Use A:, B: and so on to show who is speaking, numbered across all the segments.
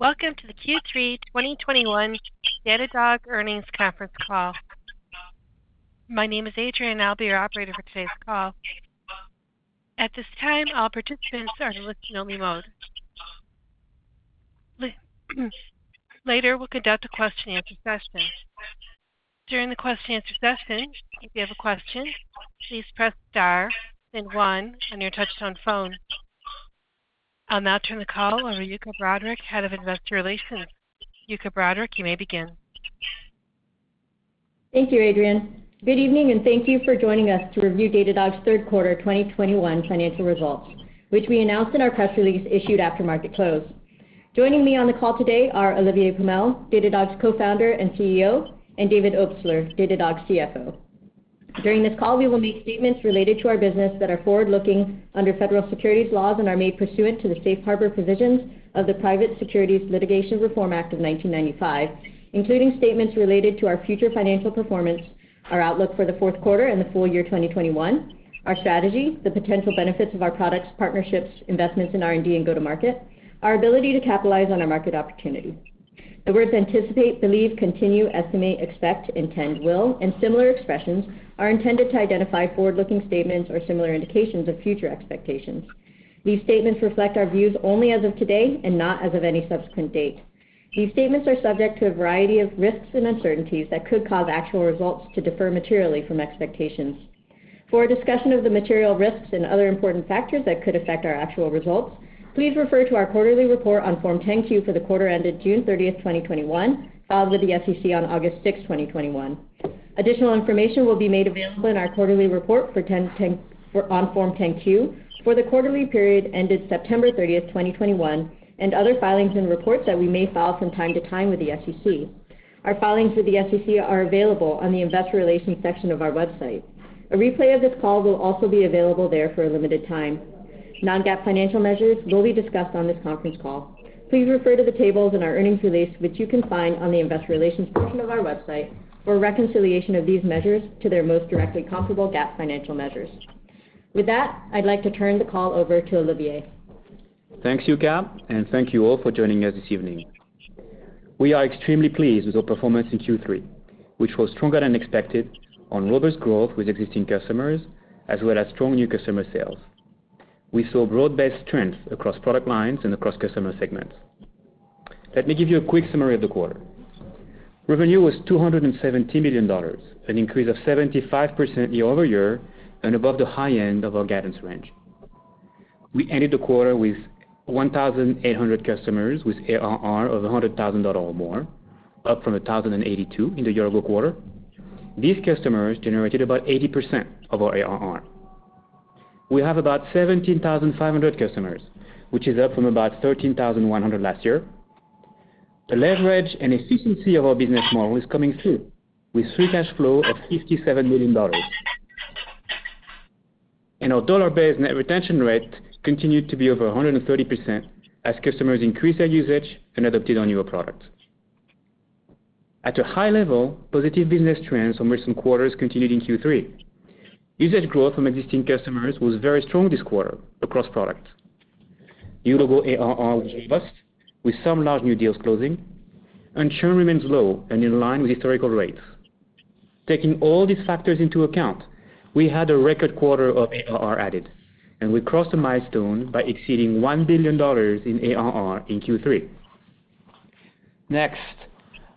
A: Welcome to the Q3 2021 Datadog earnings conference call. My name is Adrienne, and I'll be your operator for today's call. At this time, all participants are in listen-only mode. Later we'll conduct a question-and-answer session. During the question-and-answer session, if you have a question, please "press star then one" on your touchtone phone. I'll now turn the call over to Yuka Broderick, Head of Investor Relations. Yuka Broderick, you may begin.
B: Thank you, Adrienne. Good evening, and thank you for joining us to review Datadog's third quarter 2021 financial results, which we announced in our press release issued after market close. Joining me on the call today are Olivier Pomel, Datadog's Co-founder and CEO, and David Obstler, Datadog's CFO. During this call, we will make statements related to our business that are forward-looking under federal securities laws and are made pursuant to the safe harbor provisions of the Private Securities Litigation Reform Act of 1995, including statements related to our future financial performance, our outlook for the fourth quarter and the full year 2021, our strategy, the potential benefits of our products, partnerships, investments in R&D and go-to-market, our ability to capitalize on our market opportunity. The words anticipate, believe, continue, estimate, expect, intend, will, and similar expressions are intended to identify forward-looking statements or similar indications of future expectations. These statements reflect our views only as of today and not as of any subsequent date. These statements are subject to a variety of risks and uncertainties that could cause actual results to differ materially from expectations. For a discussion of the material risks and other important factors that could affect our actual results, please refer to our quarterly report on Form 10-Q for the quarter ended June 30, 2021, filed with the SEC on August 6, 2021. Additional information will be made available in our quarterly report on Form 10-Q for the quarterly period ended September 30, 2021, and other filings and reports that we may file from time to time with the SEC. Our filings with the SEC are available on the Investor Relations section of our website. A replay of this call will also be available there for a limited time. Non-GAAP financial measures will be discussed on this conference call. Please refer to the tables in our earnings release, which you can find on the Investor Relations portion of our website for a reconciliation of these measures to their most directly comparable GAAP financial measures. With that, I'd like to turn the call over to Olivier.
C: Thanks, Yuka, and thank you all for joining us this evening. We are extremely pleased with our performance in Q3, which was stronger than expected on robust growth with existing customers, as well as strong new customer sales. We saw broad-based trends across product lines and across customer segments. Let me give you a quick summary of the quarter. Revenue was $270 million, an increase of 75% year-over-year and above the high end of our guidance range. We ended the quarter with 1,800 customers with ARR of $100,000 or more, up from 1,082 in the year-ago quarter. These customers generated about 80% of our ARR. We have about 17,500 customers, which is up from about 13,100 last year. The leverage and efficiency of our business model is coming through with free cash flow of $57 million. Our dollar-based net retention rate continued to be over 130% as customers increased their usage and adopted our newer products. At a high level, positive business trends from recent quarters continued in Q3. Usage growth from existing customers was very strong this quarter across products. New logo ARR was robust with some large new deals closing and churn remains low and in line with historical rates. Taking all these factors into account, we had a record quarter of ARR added, and we crossed a milestone by exceeding $1 billion in ARR in Q3. Next,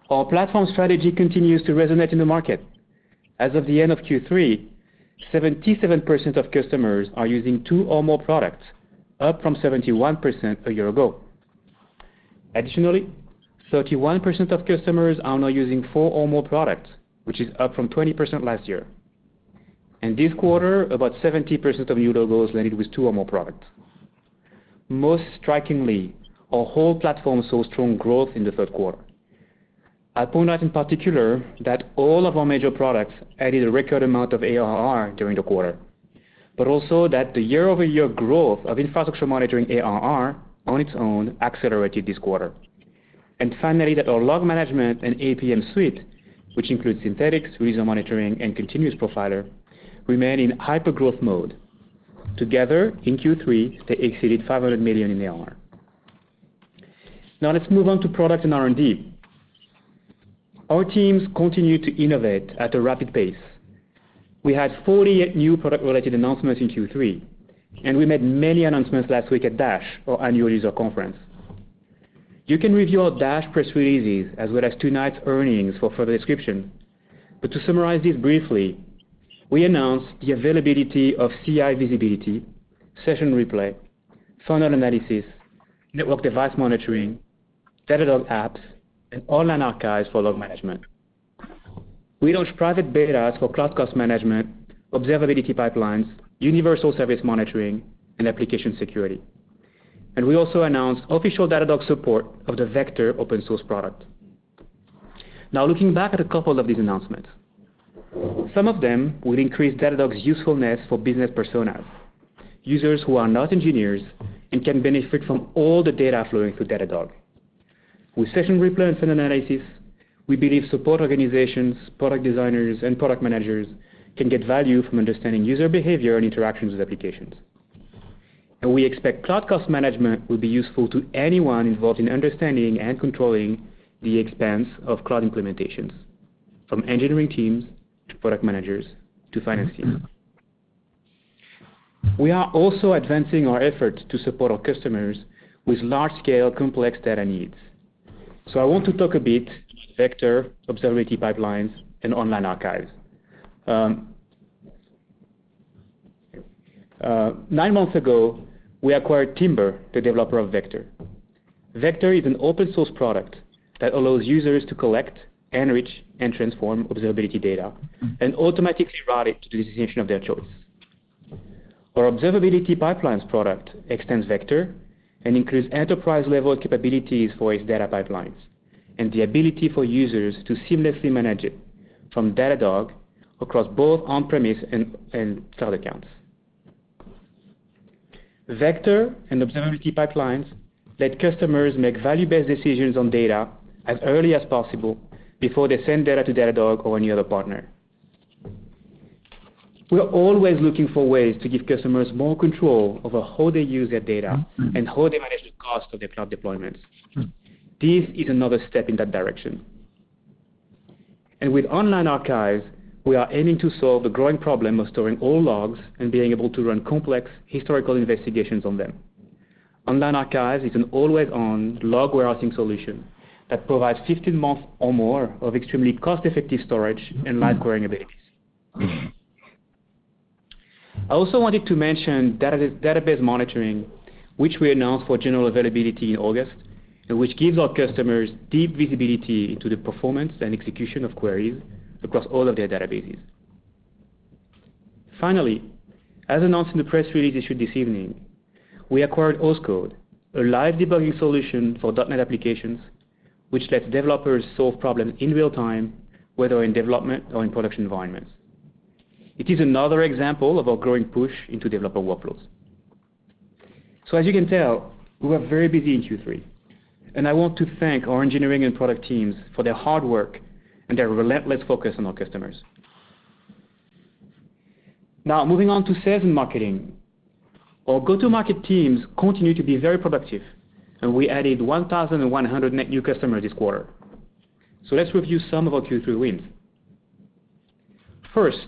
C: our platform strategy continues to resonate in the market. As of the end of Q3, 77% of customers are using two or more products, up from 71% a year ago. Additionally, 31% of customers are now using four or more products, which is up from 20% last year. This quarter, about 70% of new logos landed with two or more products. Most strikingly, our whole platform saw strong growth in the third quarter. I point out in particular that all of our major products added a record amount of ARR during the quarter, but also that the year-over-year growth of infrastructure monitoring ARR on its own accelerated this quarter. Finally, that our log management and APM suite, which includes Synthetics, User Monitoring, and Continuous Profiler, remain in hypergrowth mode. Together, in Q3, they exceeded $500 million in ARR. Now let's move on to product and R&D. Our teams continue to innovate at a rapid pace. We had 40 new product-related announcements in Q3, and we made many announcements last week at DASH, our annual user conference. You can review our DASH press releases as well as tonight's earnings for further description. To summarize these briefly, we announced the availability of CI Visibility, Session Replay, Funnel Analysis, Network Device Monitoring, Datadog Apps, and Online Archive for log management. We launched private betas for Cloud Cost Management, Observability Pipelines, Universal Service Monitoring, and Application Security. We also announced official Datadog support of the Vector open source product. Now looking back at a couple of these announcements, some of them will increase Datadog's usefulness for business personas, users who are not engineers and can benefit from all the data flowing through Datadog. With Session Replay and analysis, we believe support organizations, product designers, and product managers can get value from understanding user behavior and interactions with applications. We expect Cloud Cost Management will be useful to anyone involved in understanding and controlling the expense of cloud implementations, from engineering teams to product managers to finance teams. We are also advancing our efforts to support our customers with large-scale complex data needs. I want to talk a bit about Vector, Observability Pipelines, and Online Archives. Nine months ago, we acquired Timber, the developer of Vector. Vector is an open source product that allows users to collect, enrich, and transform observability data and automatically route it to the destination of their choice. Our Observability Pipelines product extends Vector and includes enterprise-level capabilities for its data pipelines and the ability for users to seamlessly manage it from Datadog across both on-premise and cloud accounts. Vector and Observability Pipelines let customers make value-based decisions on data as early as possible before they send data to Datadog or any other partner. We are always looking for ways to give customers more control over how they use their data and how they manage the cost of their cloud deployments. This is another step in that direction. With Online Archives, we are aiming to solve the growing problem of storing all logs and being able to run complex historical investigations on them. Online Archives is an always-on log warehousing solution that provides 15 months or more of extremely cost-effective storage and live querying abilities. I also wanted to mention Database Monitoring, which we announced for general availability in August, and which gives our customers deep visibility into the performance and execution of queries across all of their databases. Finally, as announced in the press release issued this evening, we acquired Ozcode, a live debugging solution for .NET applications, which lets developers solve problems in real time, whether in development or in production environments. It is another example of our growing push into developer workflows. As you can tell, we were very busy in Q3, and I want to thank our engineering and product teams for their hard work and their relentless focus on our customers. Now, moving on to sales and marketing. Our go-to-market teams continue to be very productive, and we added 1,100 net new customers this quarter. Let's review some of our Q3 wins. First,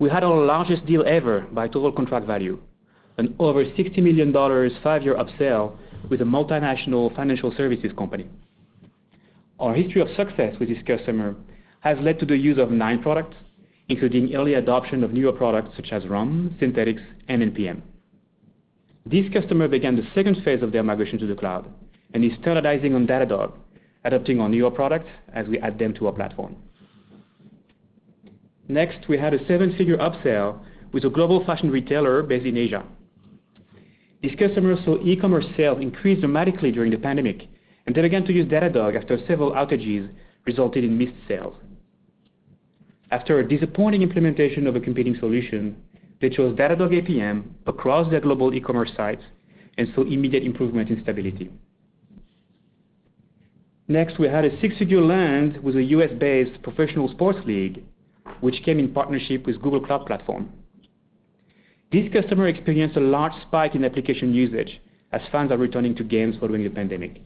C: we had our largest deal ever by total contract value, an over $60 million five-year upsell with a multinational financial services company. Our history of success with this customer has led to the use of nine products, including early adoption of newer products such as RUM, Synthetics, and NPM. This customer began the second phase of their migration to the cloud and is standardizing on Datadog, adopting our newer products as we add them to our platform. Next, we had a seven-figure upsell with a global fashion retailer based in Asia. This customer saw e-commerce sales increase dramatically during the pandemic and then began to use Datadog after several outages resulted in missed sales. After a disappointing implementation of a competing solution, they chose Datadog APM across their global e-commerce sites and saw immediate improvement in stability. Next, we had a six-figure land with a U.S.-based professional sports league, which came in partnership with Google Cloud Platform. This customer experienced a large spike in application usage as fans are returning to games following the pandemic.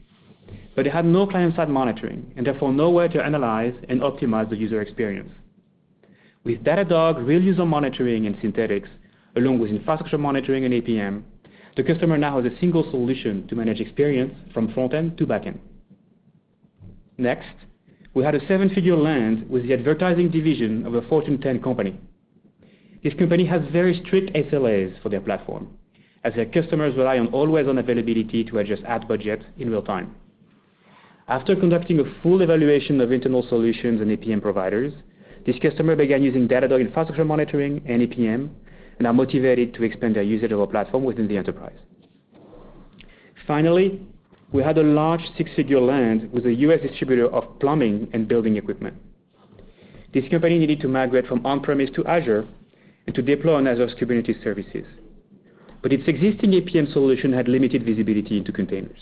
C: It had no client-side monitoring, and therefore, no way to analyze and optimize the user experience. With Datadog, Real User Monitoring and Synthetics, along with infrastructure monitoring and APM, the customer now has a single solution to manage experience from front end to back end. Next, we had a seven-figure land with the advertising division of a Fortune 10 company. This company has very strict SLAs for their platform, as their customers rely on always-on availability to adjust ad budgets in real time. After conducting a full evaluation of internal solutions and APM providers, this customer began using Datadog infrastructure monitoring and APM and are motivated to expand their usage of our platform within the enterprise. Finally, we had a large six-figure land with a U.S. distributor of plumbing and building equipment. This company needed to migrate from on-premises to Azure and to deploy on Azure's container services. Its existing APM solution had limited visibility into containers.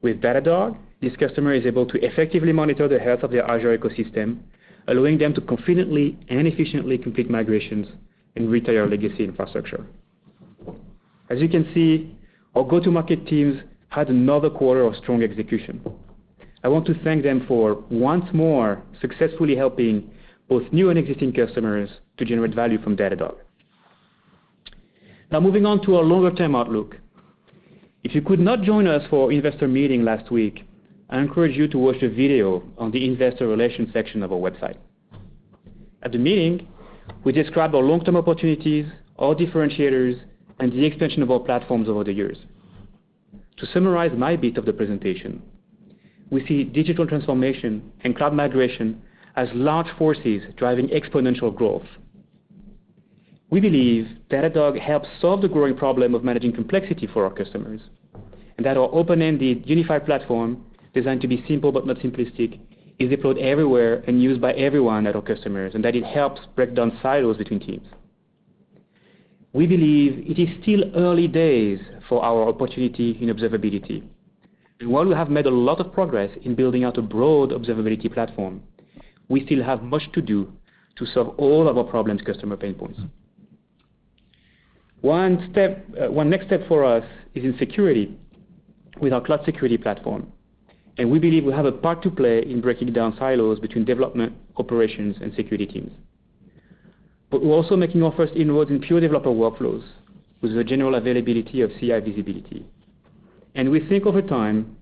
C: With Datadog, this customer is able to effectively monitor the health of their Azure ecosystem, allowing them to confidently and efficiently complete migrations and retire legacy infrastructure. As you can see, our go-to-market teams had another quarter of strong execution. I want to thank them for, once more, successfully helping both new and existing customers to generate value from Datadog. Now, moving on to our longer-term outlook. If you could not join us for our investor meeting last week, I encourage you to watch the video on the investor relations section of our website. At the meeting, we described our long-term opportunities, our differentiators, and the extension of our platforms over the years. To summarize my bit of the presentation, we see digital transformation and cloud migration as large forces driving exponential growth. We believe Datadog helps solve the growing problem of managing complexity for our customers, and that our open-ended, unified platform, designed to be simple but not simplistic, is deployed everywhere and used by everyone at our customers, and that it helps break down silos between teams. We believe it is still early days for our opportunity in observability. While we have made a lot of progress in building out a broad observability platform, we still have much to do to solve all of our customers' pain points. One next step for us is in security with our Cloud Security Platform, and we believe we have a part to play in breaking down silos between development, operations, and security teams. We're also making our first inroads in pure developer workflows with the general availability of CI Visibility. We think over time,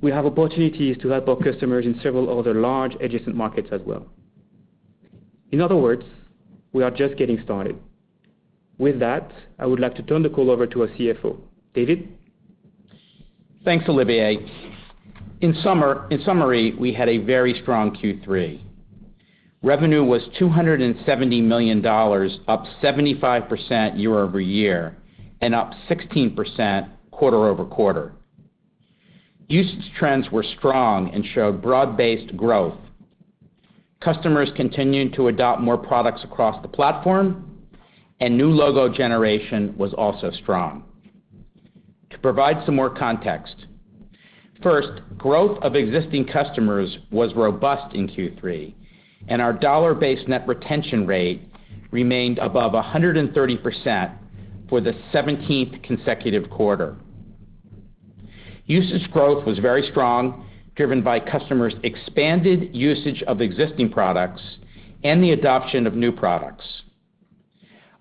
C: we have opportunities to help our customers in several other large adjacent markets as well. In other words, we are just getting started. With that, I would like to turn the call over to our CFO, David Obstler.
D: Thanks, Olivier. In summary, we had a very strong Q3. Revenue was $270 million, up 75% year-over-year and up 16% quarter-over-quarter. Usage trends were strong and showed broad-based growth. Customers continued to adopt more products across the platform, and new logo generation was also strong. To provide some more context, first, growth of existing customers was robust in Q3, and our dollar-based net retention rate remained above 130% for the 17th consecutive quarter. Usage growth was very strong, driven by customers' expanded usage of existing products and the adoption of new products.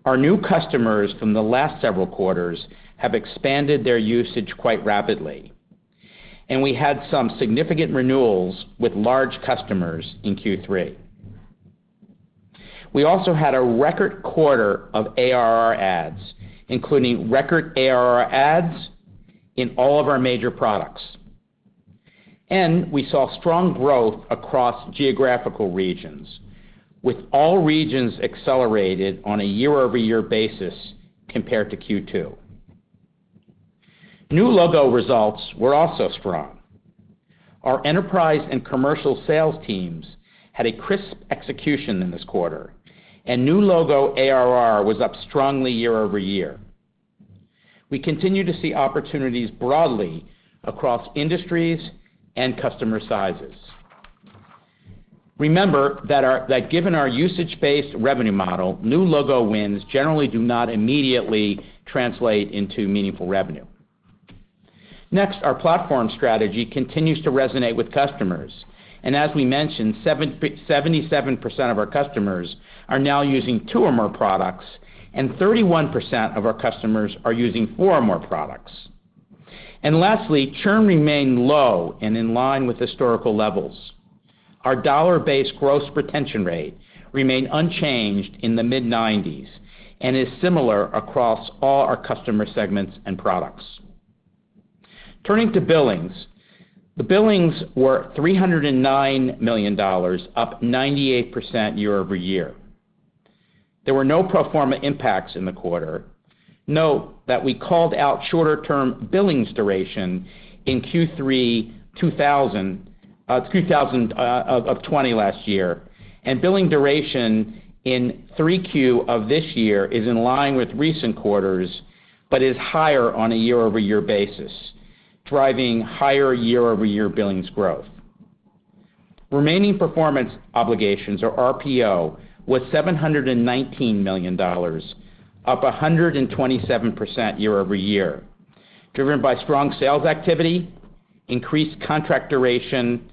D: Our new customers from the last several quarters have expanded their usage quite rapidly, and we had some significant renewals with large customers in Q3. We also had a record quarter of ARR adds, including record ARR adds in all of our major products. We saw strong growth across geographical regions, with all regions accelerated on a year-over-year basis compared to Q2. New logo results were also strong. Our enterprise and commercial sales teams had a crisp execution in this quarter, and new logo ARR was up strongly year over year. We continue to see opportunities broadly across industries and customer sizes. Remember that given our usage-based revenue model, new logo wins generally do not immediately translate into meaningful revenue. Next, our platform strategy continues to resonate with customers. As we mentioned, 77% of our customers are now using two or more products, and 31% of our customers are using four or more products. Lastly, churn remained low and in line with historical levels. Our dollar-based gross retention rate remained unchanged in the mid-90s and is similar across all our customer segments and products. Turning to billings. The billings were $309 million, up 98% year-over-year. There were no pro forma impacts in the quarter. Note that we called out shorter term billings duration in Q3 of 2020 last year, and billing duration in Q3 of this year is in line with recent quarters, but is higher on a year-over-year basis, driving higher year-over-year billings growth. Remaining performance obligations, or RPO, was $719 million, up 127% year-over-year, driven by strong sales activity, increased contract duration,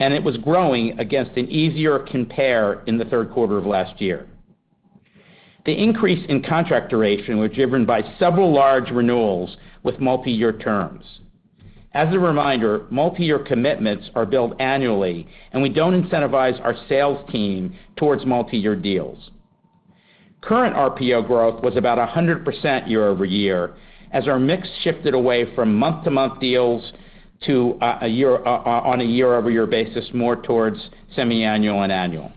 D: and it was growing against an easier compare in the third quarter of last year. The increase in contract duration was driven by several large renewals with multi-year terms. As a reminder, multi-year commitments are billed annually, and we don't incentivize our sales team towards multi-year deals. Current RPO growth was about 100% year-over-year as our mix shifted away from month-to-month deals on a year-over-year basis, more towards semi-annual and annual.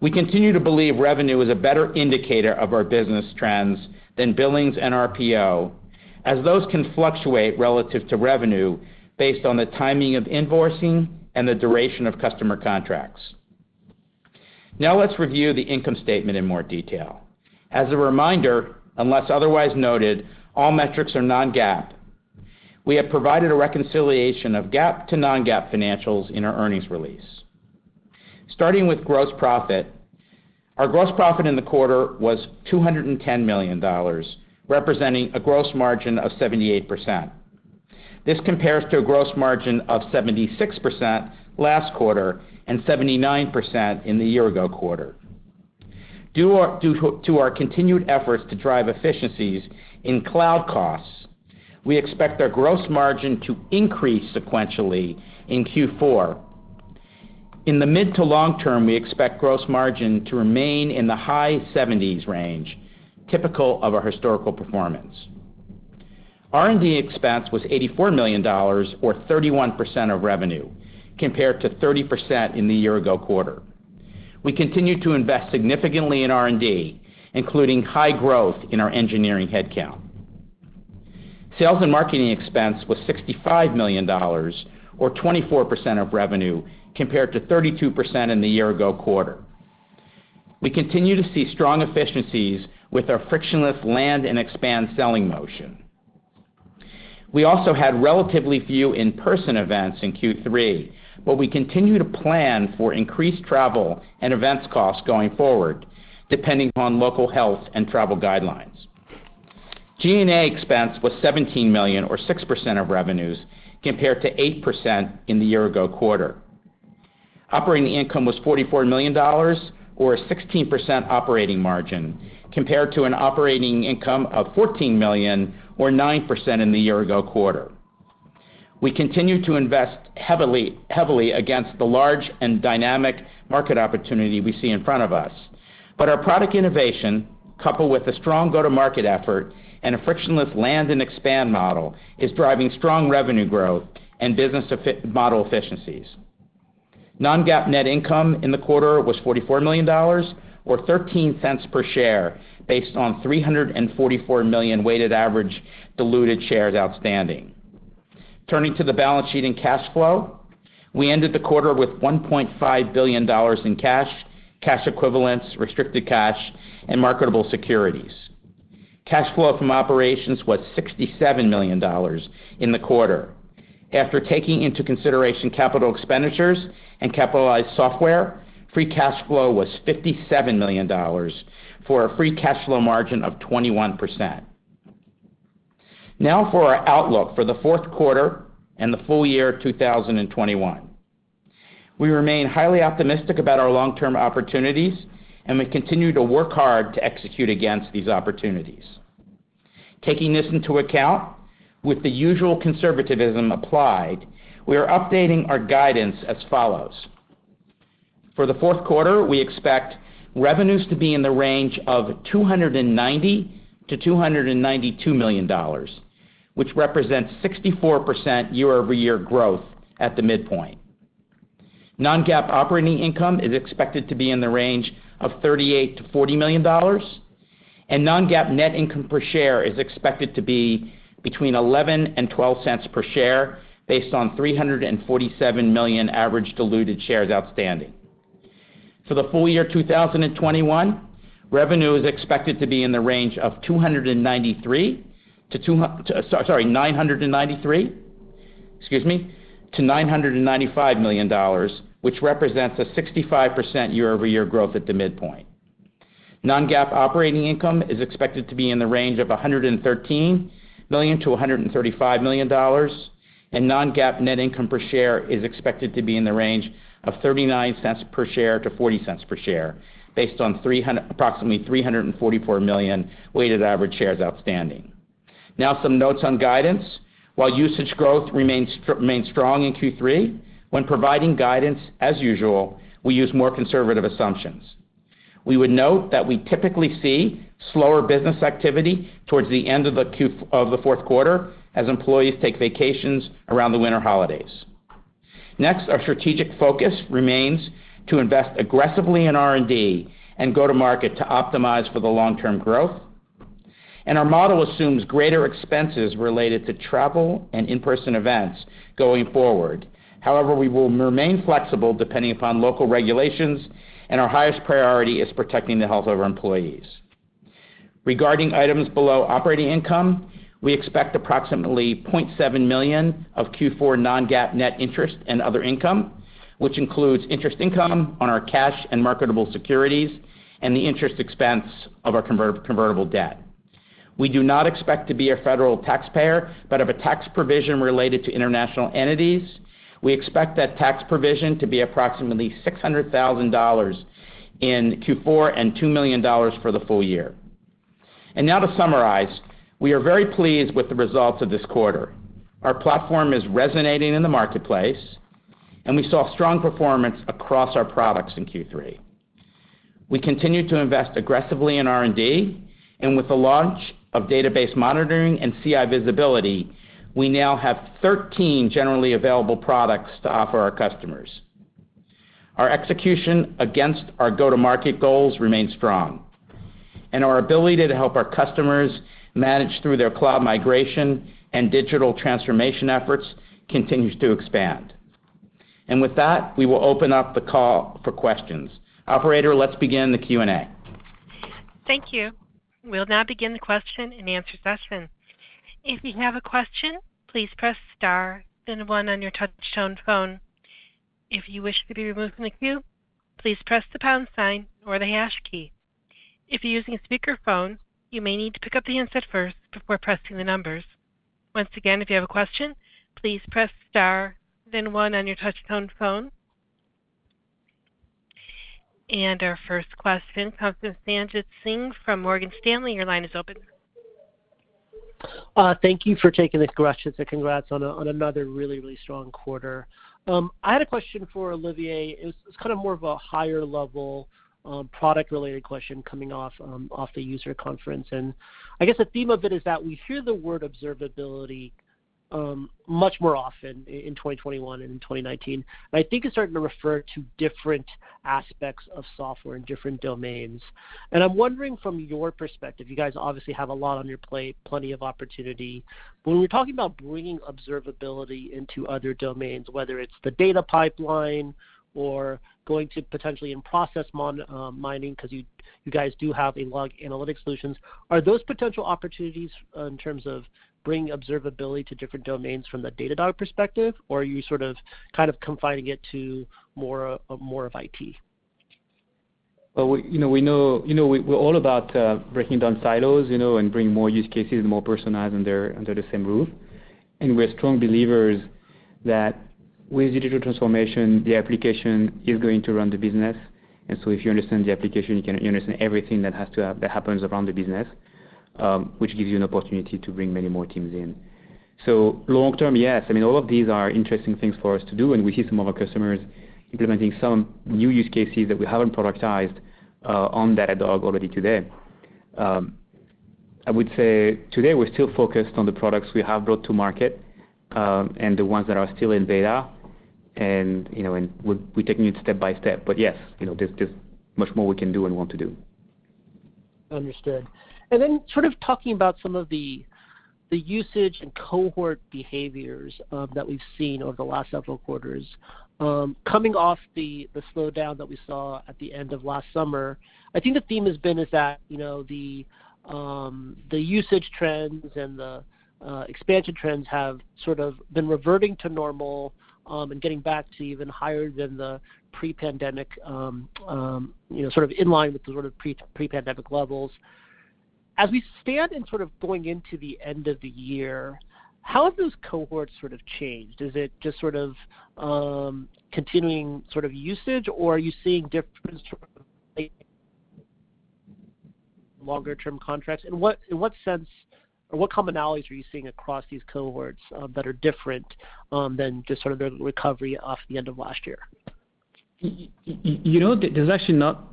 D: We continue to believe revenue is a better indicator of our business trends than billings and RPO, as those can fluctuate relative to revenue based on the timing of invoicing and the duration of customer contracts. Now let's review the income statement in more detail. As a reminder, unless otherwise noted, all metrics are non-GAAP. We have provided a reconciliation of GAAP to non-GAAP financials in our earnings release. Starting with gross profit. Our gross profit in the quarter was $210 million, representing a gross margin of 78%. This compares to a gross margin of 76% last quarter and 79% in the year ago quarter. Due to our continued efforts to drive efficiencies in cloud costs, we expect our gross margin to increase sequentially in Q4. In the mid to long term, we expect gross margin to remain in the high seventies range, typical of our historical performance. R&D expense was $84 million or 31% of revenue, compared to 30% in the year ago quarter. We continue to invest significantly in R&D, including high growth in our engineering headcount. Sales and marketing expense was $65 million or 24% of revenue compared to 32% in the year ago quarter. We continue to see strong efficiencies with our frictionless land and expand selling motion. We also had relatively few in-person events in Q3, but we continue to plan for increased travel and events costs going forward, depending upon local health and travel guidelines. G&A expense was $17 million or 6% of revenues compared to 8% in the year ago quarter. Operating income was $44 million or a 16% operating margin compared to an operating income of $14 million or 9% in the year ago quarter. We continue to invest heavily against the large and dynamic market opportunity we see in front of us. Our product innovation, coupled with a strong go-to-market effort and a frictionless land and expand model, is driving strong revenue growth and business model efficiencies. Non-GAAP net income in the quarter was $44 million or $0.13 per share based on 344 million weighted average diluted shares outstanding. Turning to the balance sheet and cash flow. We ended the quarter with $1.5 billion in cash equivalents, restricted cash, and marketable securities. Cash flow from operations was $67 million in the quarter. After taking into consideration capital expenditures and capitalized software, free cash flow was $57 million for a free cash flow margin of 21%. Now for our outlook for the fourth quarter and the full year 2021. We remain highly optimistic about our long-term opportunities, and we continue to work hard to execute against these opportunities. Taking this into account, with the usual conservativism applied, we are updating our guidance as follows. For the fourth quarter, we expect revenues to be in the range of $290 million-$292 million, which represents 64% year-over-year growth at the midpoint. Non-GAAP operating income is expected to be in the range of $38 million-$40 million, and non-GAAP net income per share is expected to be between $0.11 and $0.12 per share based on 347 million average diluted shares outstanding. For the full year 2021, revenue is expected to be in the range of $993 million-$995 million, which represents a 65% year-over-year growth at the midpoint. Non-GAAP operating income is expected to be in the range of $113 million-$135 million, and non-GAAP net income per share is expected to be in the range of $0.39 per share to $0.40 per share based on approximately 344 million weighted average shares outstanding. Now some notes on guidance. While usage growth remains strong in Q3, when providing guidance, as usual, we use more conservative assumptions. We would note that we typically see slower business activity towards the end of the fourth quarter as employees take vacations around the winter holidays. Next, our strategic focus remains to invest aggressively in R&D and go to market to optimize for the long-term growth. Our model assumes greater expenses related to travel and in-person events going forward. However, we will remain flexible depending upon local regulations, and our highest priority is protecting the health of our employees. Regarding items below operating income, we expect approximately $0.7 million of Q4 non-GAAP net interest and other income, which includes interest income on our cash and marketable securities and the interest expense of our convertible debt. We do not expect to be a federal taxpayer, but have a tax provision related to international entities. We expect that tax provision to be approximately $600,000 in Q4 and $2 million for the full year. Now to summarize, we are very pleased with the results of this quarter. Our platform is resonating in the marketplace, and we saw strong performance across our products in Q3. We continue to invest aggressively in R&D, and with the launch of Database Monitoring and CI Visibility, we now have 13 generally available products to offer our customers. Our execution against our go-to-market goals remains strong, and our ability to help our customers manage through their cloud migration and digital transformation efforts continues to expand. With that, we will open up the call for questions. Operator, let's begin the Q&A.
A: Thank you. We'll now begin the question and answer session. If you have a question, please "press star then one" on your touch tone phone. If you wish to be removed from the queue, please "press the pound sign or the hash key". If you're using a speakerphone, you may need to pick up the handset first before pressing the numbers. Once again, if you have a question, please "press star then one" on your touch tone phone. Our first question comes from Sanjit Singh from Morgan Stanley. Your line is open.
E: Thank you for taking the questions, and congrats on another really strong quarter. I had a question for Olivier. It was kind of more of a higher level product-related question coming off the user conference. I guess the theme of it is that we hear the word observability. Much more often in 2021 and in 2019. I think it's starting to refer to different aspects of software in different domains. I'm wondering from your perspective, you guys obviously have a lot on your plate, plenty of opportunity. When we're talking about bringing observability into other domains, whether it's the data pipeline or going to potentially in-process monitoring 'cause you guys do have log analytics solutions. Are those potential opportunities in terms of bringing observability to different domains from the Datadog perspective, or are you sort of kind of confining it to more of IT?
C: Well, you know, we're all about breaking down silos, you know, and bringing more use cases, more personalized under the same roof. We're strong believers that with digital transformation, the application is going to run the business. If you understand the application, you can understand everything that happens around the business, which gives you an opportunity to bring many more teams in. Long term, yes. I mean, all of these are interesting things for us to do, and we hear some of our customers implementing some new use cases that we haven't productized on Datadog already today. I would say today we're still focused on the products we have brought to market, and the ones that are still in beta and, you know, and we're taking it step by step. Yes, you know, there's much more we can do and want to do.
E: Understood. Then sort of talking about some of the usage and cohort behaviors that we've seen over the last several quarters. Coming off the slowdown that we saw at the end of last summer, I think the theme has been that, you know, the usage trends and the expansion trends have sort of been reverting to normal and getting back to even higher than the pre-pandemic, you know, sort of in line with the sort of pre-pandemic levels. As we stand in sort of going into the end of the year, how have those cohorts sort of changed? Is it just sort of continuing sort of usage or are you seeing difference from longer term contracts? What, in what sense or what commonalities are you seeing across these cohorts that are different than just sort of the recovery off the end of last year?
C: You know, there's actually not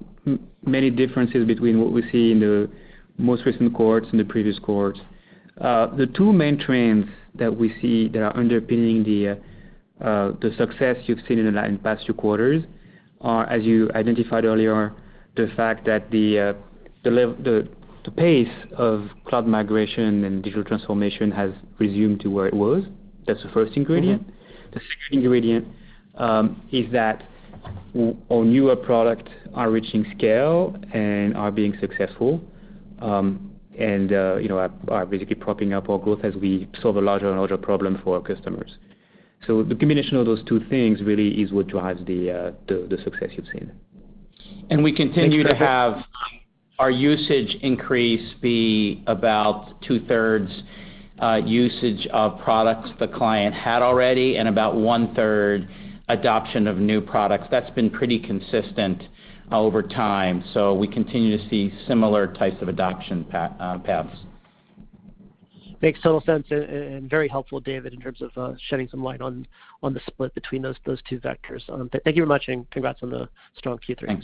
C: many differences between what we see in the most recent cohorts and the previous cohorts. The two main trends that we see that are underpinning the success you've seen in the past two quarters are, as you identified earlier, the fact that the pace of cloud migration and digital transformation has resumed to where it was. That's the first ingredient is that our newer products are reaching scale and are being successful, and you know, are basically propping up our growth as we solve a larger and larger problem for our customers. The combination of those two things really is what drives the success you've seen.
D: We continue.
E: Thanks, Olivier....
D: to have our usage increase be about 2/3, usage of products the client had already and about 1/3 adoption of new products. That's been pretty consistent over time. We continue to see similar types of adoption paths.
E: Makes total sense and very helpful, David, in terms of shedding some light on the split between those two vectors. Thank you very much and congrats on the strong Q3.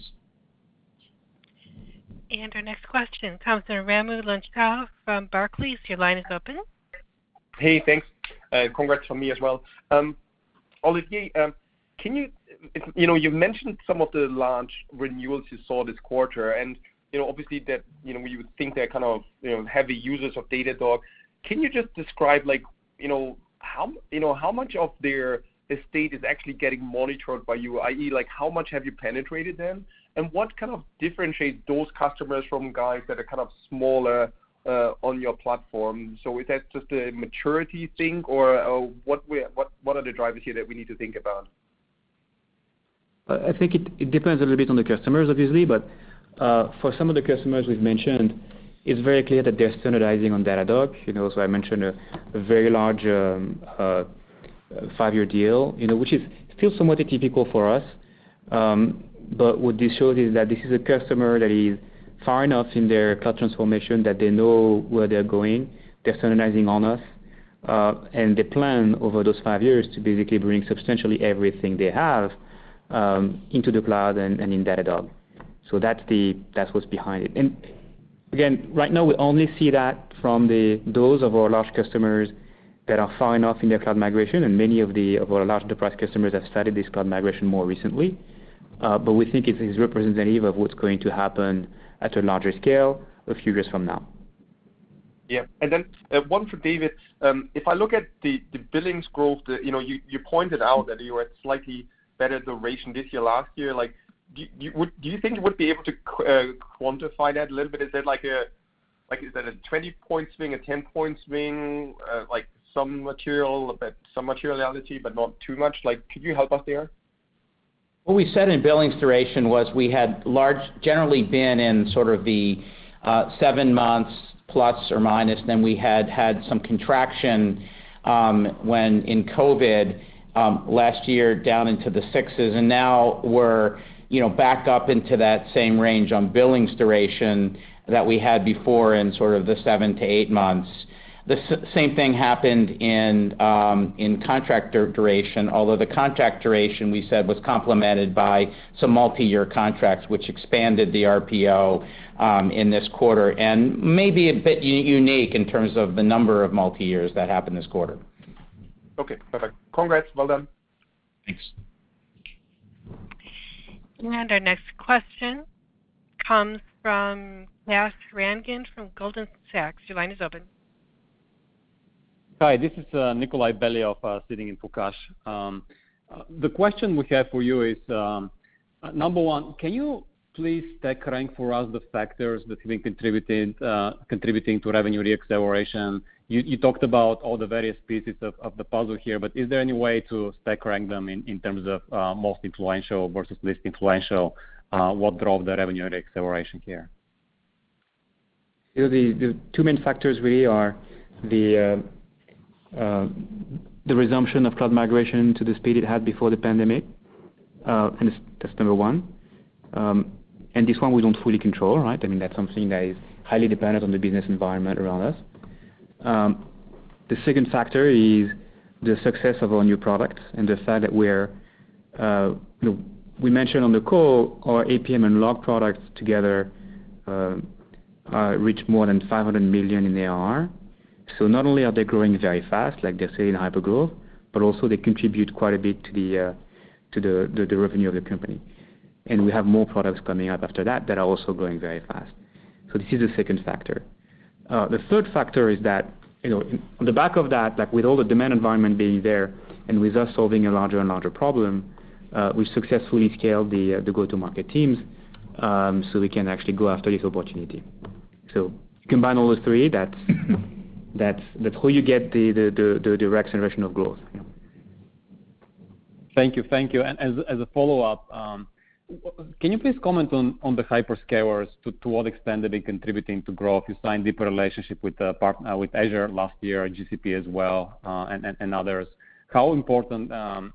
C: Thanks.
A: Our next question comes from Raimo Lenschow from Barclays. Your line is open.
F: Hey, thanks. Congrats from me as well. Olivier, can you. You know, you've mentioned some of the large renewals you saw this quarter and, you know, obviously that, you know, we would think they're kind of, you know, heavy users of Datadog. Can you just describe like, you know, how, you know, how much of their estate is actually getting monitored by you? i.e., like how much have you penetrated them? And what kind of differentiates those customers from guys that are kind of smaller on your platform? Is that just a maturity thing or, what are the drivers here that we need to think about?
C: I think it depends a little bit on the customers obviously, but for some of the customers we've mentioned, it's very clear that they're standardizing on Datadog. You know, so I mentioned a very large five-year deal, you know, which is still somewhat atypical for us. But what this shows is that this is a customer that is far enough in their cloud transformation that they know where they're going. They're standardizing on us, and they plan over those five years to basically bring substantially everything they have into the cloud and in Datadog. So that's what's behind it. And again, right now we only see that from those of our large customers that are far enough in their cloud migration. Many of our large enterprise customers have started this cloud migration more recently, but we think it is representative of what's going to happen at a larger scale a few years from now.
F: One for David. If I look at the billings growth, you know, you pointed out that you were at slightly better duration this year, last year. Like, do you think you would be able to quantify that a little bit? Is there like a 20 points win, a 10 points win, like some materiality, but not too much? Like, could you help us there?
D: What we said in billings duration was we had generally been in sort of the 7 months ±, then we had some contraction when in COVID last year down into the 6s, and now we're, you know, back up into that same range on billings duration that we had before in sort of the 7-8 months. The same thing happened in contract duration, although the contract duration we said was complemented by some multi-year contracts which expanded the RPO in this quarter, and may be a bit unique in terms of the number of multi-years that happened this quarter.
F: Okay, perfect. Congrats, well done.
C: Thanks.
A: Our next question comes from Kash Rangan from Goldman Sachs. Your line is open.
G: Hi, this is Nikolay Beliov sitting in for Kash. The question we have for you is number one, can you please stack rank for us the factors that have been contributing to revenue re-acceleration. You talked about all the various pieces of the puzzle here, but is there any way to stack rank them in terms of most influential versus least influential, what drove the revenue re-acceleration here?
C: You know, the two main factors really are the resumption of cloud migration to the speed it had before the pandemic, and that's number one. This one we don't fully control, right? I mean, that's something that is highly dependent on the business environment around us. The second factor is the success of our new products and the fact that we're, you know, we mentioned on the call our APM and log products together reach more than $500 million in ARR. Not only are they growing very fast, like they say in hypergrowth, but also they contribute quite a bit to the revenue of the company. We have more products coming up after that are also growing very fast. This is the second factor. The third factor is that, you know, on the back of that, like with all the demand environment being there and with us solving a larger and larger problem, we successfully scaled the go-to-market teams, so we can actually go after this opportunity. Combine all those three, that's how you get the re-acceleration of growth.
G: As a follow-up, can you please comment on the hyperscalers, to what extent they've been contributing to growth. You signed deeper relationship with Azure last year and GCP as well and others. How important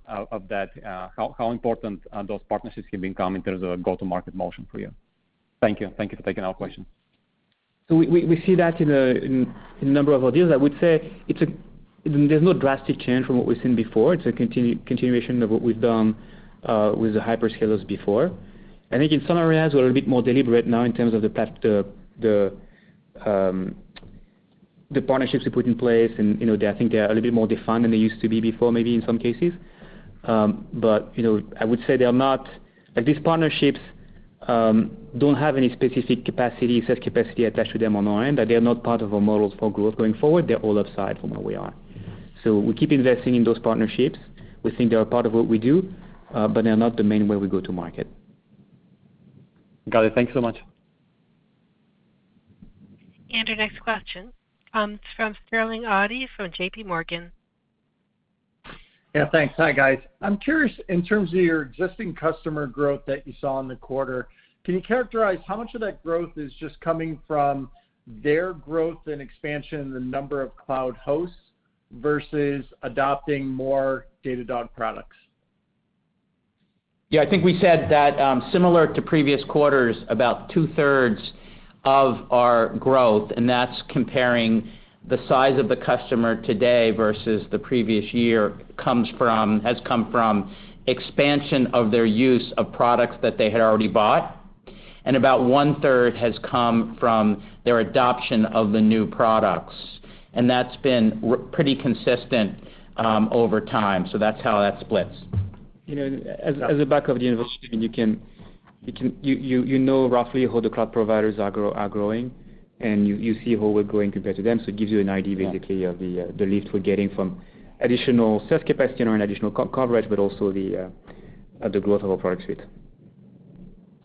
G: are those partnerships have been coming in terms of go-to-market motion for you? Thank you for taking our question.
C: We see that in a number of our deals. I would say there's no drastic change from what we've seen before. It's a continuation of what we've done with the hyperscalers before. I think in some areas, we're a little bit more deliberate now in terms of the partnerships we put in place and, you know, I think they are a little bit more defined than they used to be before, maybe in some cases. You know, I would say they are not. Like, these partnerships don't have any specific capacity, set capacity attached to them on our end, that they are not part of our models for growth going forward. They're all upside from where we are. We keep investing in those partnerships. We think they are part of what we do, but they are not the main way we go to market.
G: Got it. Thank you so much.
A: Our next question comes from Sterling Auty from J.P. Morgan.
H: Thanks. Hi, guys. I'm curious in terms of your existing customer growth that you saw in the quarter. Can you characterize how much of that growth is just coming from their growth and expansion in the number of cloud hosts versus adopting more Datadog products?
D: I think we said that, similar to previous quarters, about 2/3 of our growth, and that's comparing the size of the customer today versus the previous year, has come from expansion of their use of products that they had already bought, and about 1/3 has come from their adoption of the new products. That's been pretty consistent over time. So that's how that splits.
C: You know, as a benchmark of the industry, you can, you know, roughly how the cloud providers are growing, and you see how we're growing compared to them, so it gives you an idea basically.
H: Yeah.
C: of the lift we're getting from additional sales capacity or an additional coverage, but also the growth of our product suite.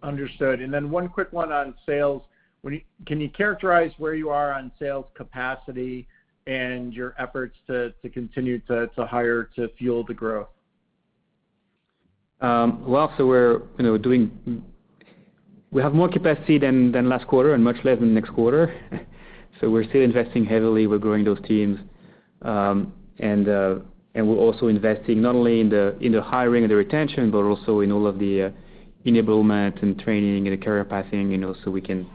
H: Understood. Then one quick one on sales. Can you characterize where you are on sales capacity and your efforts to continue to hire to fuel the growth?
C: Well, you know, we have more capacity than last quarter and much less than next quarter. We're still investing heavily. We're growing those teams. We're also investing not only in the hiring and the retention, but also in all of the enablement and training and the career pathing, you know, so we can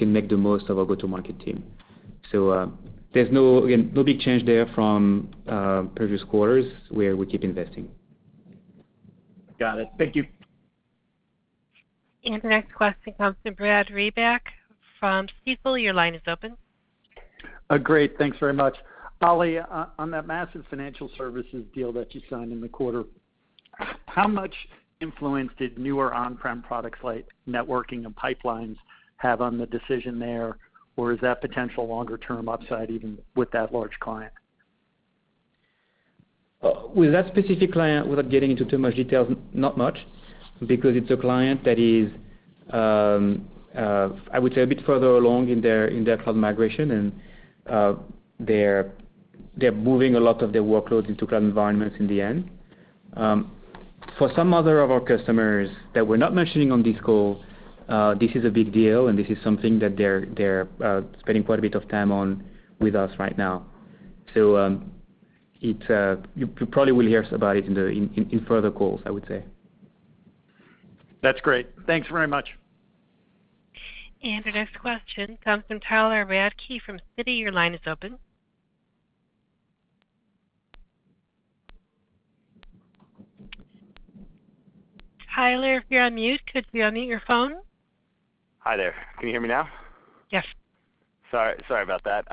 C: make the most of our go-to-market team. There's no big change there again from previous quarters where we keep investing.
H: Got it. Thank you.
A: The next question comes from Brad Reback from Stifel. Your line is open.
I: Great. Thanks very much. Oli, on that massive financial services deal that you signed in the quarter, how much influence did newer on-prem products like networking and pipelines have on the decision there? Or is that potential longer term upside even with that large client?
C: With that specific client, without getting into too much details, not much, because it's a client that is, I would say a bit further along in their cloud migration, and they're moving a lot of their workloads into cloud environments in the end. For some other of our customers that we're not mentioning on this call, this is a big deal, and this is something that they're spending quite a bit of time on with us right now. You probably will hear about it in further calls, I would say.
I: That's great. Thanks very much.
A: Our next question comes from Tyler Radke from Citi. Your line is open. Tyler, if you're on mute, could you unmute your phone?
J: Hi there. Can you hear me now?
A: Yes.
J: Sorry about that.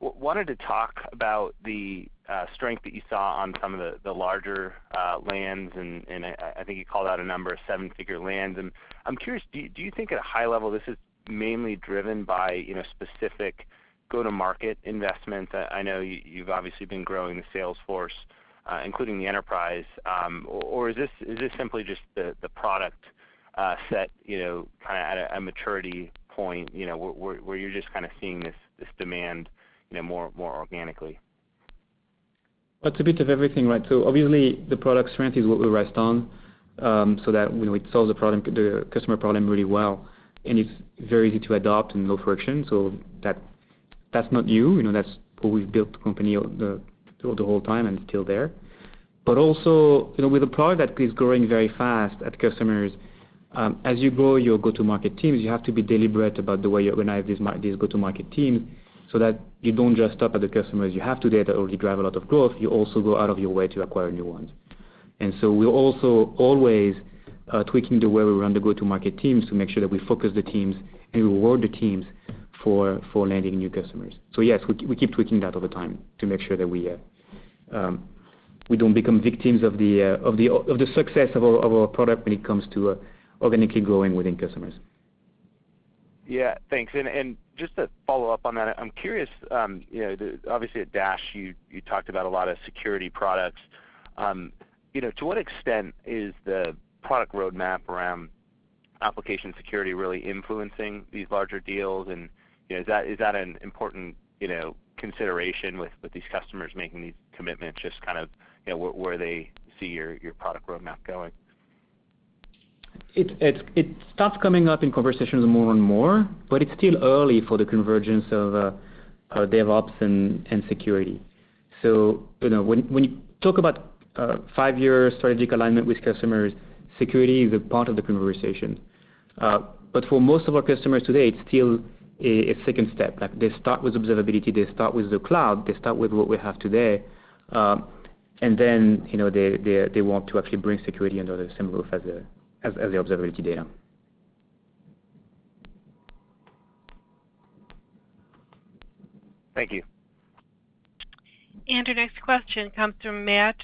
J: Wanted to talk about the strength that you saw on some of the larger lands and I think you called out a number of seven-figure lands, and I'm curious, do you think at a high level this is mainly driven by, you know, specific go-to-market investments? I know you've obviously been growing the sales force, including the enterprise. Or is this simply just the product set, you know, at a maturity point, you know, where you're just kind of seeing this demand, you know, more organically?
C: It's a bit of everything, right? Obviously the product strength is what we rest on, so that when we sell the product, it solves the customer problem really well, and it's very easy to adopt and low friction. That's not new. You know, that's how we've built the company the whole time, and it's still there. Also, you know, with a product that is growing very fast at customers, as you grow your go-to-market teams, you have to be deliberate about the way you organize these go-to-market teams so that you don't just stop at the customers you have today that already drive a lot of growth. You also go out of your way to acquire new ones. We're also always tweaking the way we run the go-to-market teams to make sure that we focus the teams and reward the teams for landing new customers. Yes, we keep tweaking that over time to make sure that we don't become victims of the success of our product when it comes to organically growing within customers.
J: Thanks. Just to follow up on that, I'm curious, you know, obviously at DASH you talked about a lot of security products. You know, to what extent is the product roadmap around Application Security really influencing these larger deals? You know, is that an important consideration with these customers making these commitments, just kind of, you know, where they see your product roadmap going?
C: It starts coming up in conversations more and more, but it's still early for the convergence of DevOps and security. You know, when you talk about a five-year strategic alignment with customers, security is a part of the conversation. But for most of our customers today, it's still a second step. Like they start with observability, they start with the cloud, they start with what we have today, and then, you know, they want to actually bring security under the same roof as the observability data.
J: Thank you.
A: Our next question comes from Matt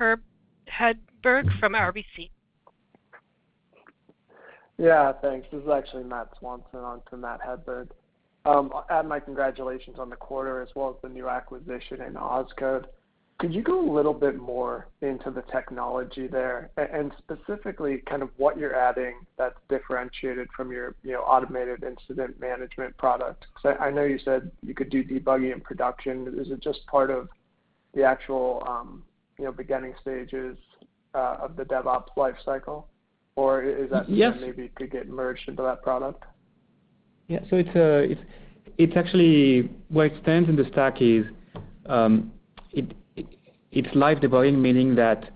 A: Hedberg from RBC.
K: Thanks. This is actually Matt Swanson on for Matt Hedberg. And my congratulations on the quarter as well as the new acquisition of Ozcode. Could you go a little bit more into the technology there and specifically kind of what you're adding that's differentiated from your, you know, automated incident management product? 'Cause I know you said you could do debugging in production. Is it just part of the actual, you know, beginning stages of the DevOps life cycle? Or is that something-
C: Yes
K: maybe could get merged into that product?
C: It's actually where it stands in the stack is, it's live debugging, meaning that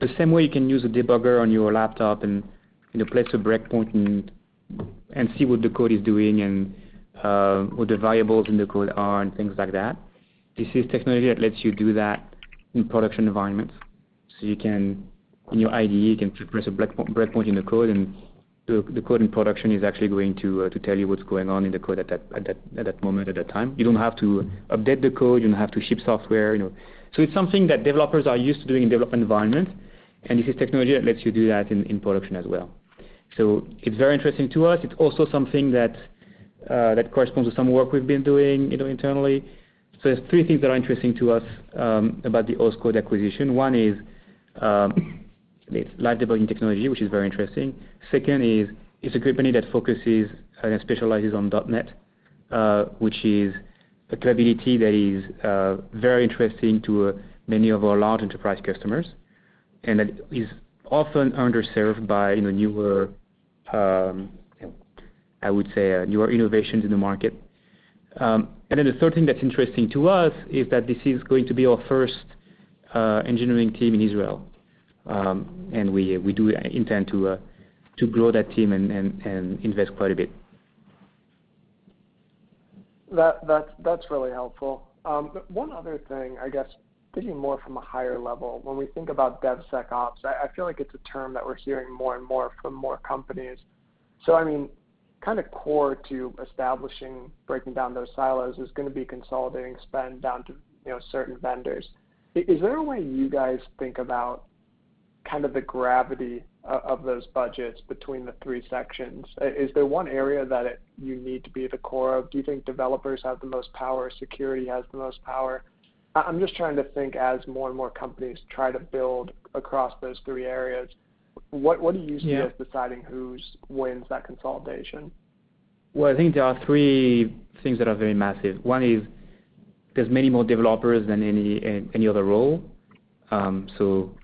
C: the same way you can use a debugger on your laptop and, you know, place a breakpoint and see what the code is doing and what the variables in the code are and things like that. This is technology that lets you do that in production environments. You can, on your IDE, you can press a breakpoint in the code, and the code in production is actually going to tell you what's going on in the code at that moment, at that time. You don't have to update the code. You don't have to ship software, you know. It's something that developers are used to doing in developer environment, and this is technology that lets you do that in production as well. It's very interesting to us. It's also something that corresponds with some work we've been doing, you know, internally. There's three things that are interesting to us about the Ozcode acquisition. One is it's live debugging technology, which is very interesting. Second is it's a company that focuses and specializes on .NET, which is a capability that is very interesting to many of our large enterprise customers, and that is often underserved by, you know, newer, I would say, newer innovations in the market. The third thing that's interesting to us is that this is going to be our first engineering team in Israel. We do intend to grow that team and invest quite a bit.
K: That's really helpful. One other thing, I guess thinking more from a higher level, when we think about DevSecOps, I feel like it's a term that we're hearing more and more from more companies. I mean, kind of core to establishing breaking down those silos is gonna be consolidating spend down to, you know, certain vendors. Is there a way you guys think about kind of the gravity of those budgets between the three sections? Is there one area that you need to be at the core of? Do you think developers have the most power? Security has the most power? I'm just trying to think as more and more companies try to build across those three areas, what do you see?
C: Yeah
K: as deciding who wins that consolidation?
C: I think there are three things that are very massive. One is there's many more developers than any other role. So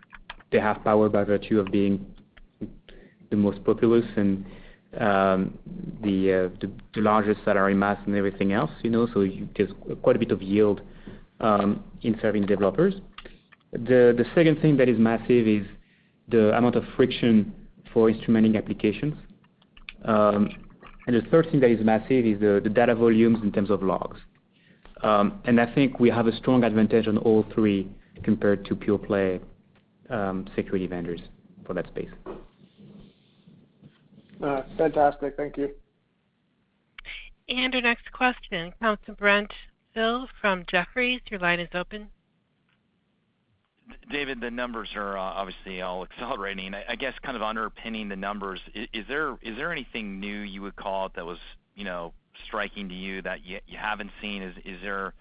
C: they have power by virtue of being the most populous and the largest salary mass and everything else, you know, so you get quite a bit of yield in serving developers. The second thing that is massive is the amount of friction for instrumenting applications. The third thing that is massive is the data volumes in terms of logs. I think we have a strong advantage on all three compared to pure play security vendors for that space.
K: Fantastic. Thank you.
A: Our next question comes from Brent Thill from Jefferies. Your line is open.
L: David, the numbers are obviously all accelerating. I guess kind of underpinning the numbers, is there anything new you would call it that was, you know, striking to you that you haven't seen? Is there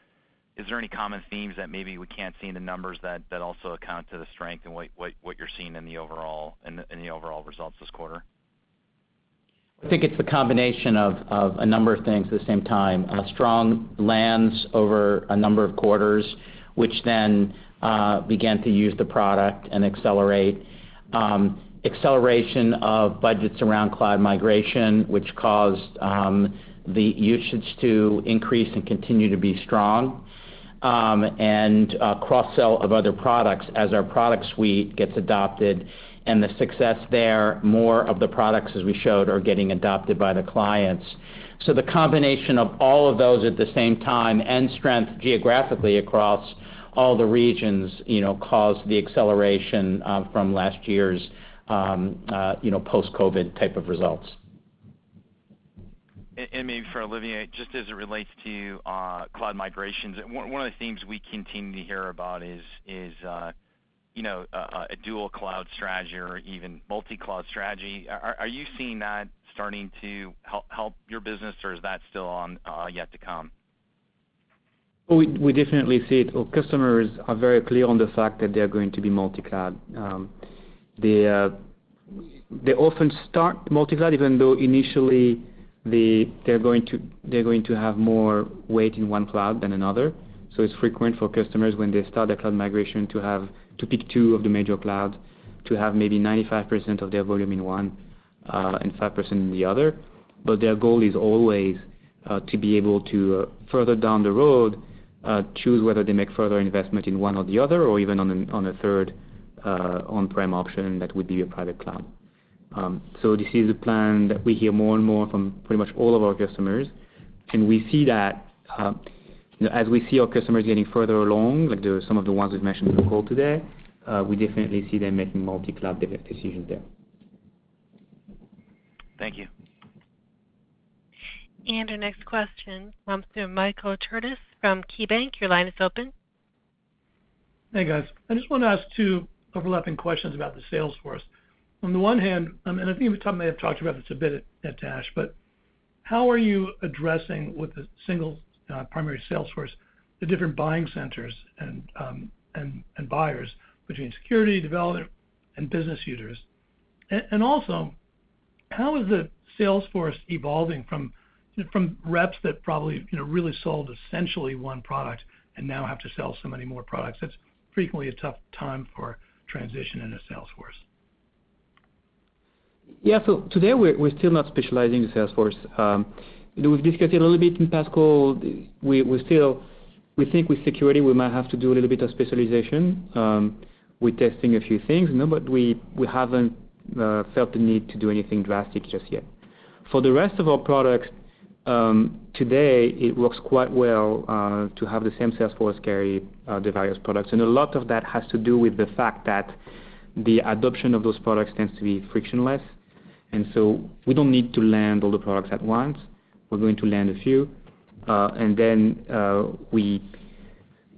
L: any common themes that maybe we can't see in the numbers that also account for the strength and what you're seeing in the overall results this quarter?
D: I think it's the combination of a number of things at the same time. A strong lands over a number of quarters, which then began to use the product and accelerate. Acceleration of budgets around cloud migration, which caused the usage to increase and continue to be strong. A cross-sell of other products as our product suite gets adopted and the success there, more of the products, as we showed, are getting adopted by the clients. The combination of all of those at the same time and strength geographically across all the regions, you know, caused the acceleration from last year's, you know, post-COVID type of results.
L: Maybe for Olivier, just as it relates to cloud migrations, one of the themes we continue to hear about is you know, a dual cloud strategy or even multi-cloud strategy. Are you seeing that starting to help your business, or is that still on yet to come?
C: We definitely see it. Our customers are very clear on the fact that they're going to be multi-cloud. They often start multi-cloud, even though initially they're going to have more weight in one cloud than another. It's frequent for customers when they start their cloud migration to have to pick two of the major clouds to have maybe 95% of their volume in one, and 5% in the other. Their goal is always to be able to, further down the road, choose whether they make further investment in one or the other or even on a third on-prem option that would be a private cloud. This is a plan that we hear more and more from pretty much all of our customers. We see that, as we see our customers getting further along, like some of the ones we've mentioned in the call today, we definitely see them making multi-cloud decisions there.
L: Thank you.
A: Our next question comes from Michael Turits from KeyBanc. Your line is open.
M: I just want to ask two overlapping questions about the sales force. On the one hand, and I think we may have talked about this a bit at DASH, but how are you addressing with the single, primary sales force, the different buying centers and buyers between security, development, and business users? And also, how is the sales force evolving from reps that probably, you know, really sold essentially one product and now have to sell so many more products? That's frequently a tough time for transition in a sales force.
C: Today, we're still not specializing the sales force. We've discussed it a little bit in past call. We still think with security, we might have to do a little bit of specialization with testing a few things. No, but we haven't felt the need to do anything drastic just yet. For the rest of our products, today it works quite well to have the same sales force carry the various products. A lot of that has to do with the fact that the adoption of those products tends to be frictionless. We don't need to land all the products at once. We're going to land a few, and then we